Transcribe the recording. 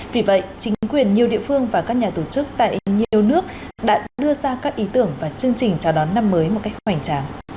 vì vậy chính quyền nhiều địa phương và các nhà tổ chức tại nhiều nước đã đưa ra các ý tưởng và chương trình chào đón năm mới một cách hoành tráng